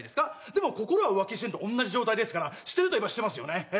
でも心は浮気してると同じ状態ですからしてるといえばしてますよねええ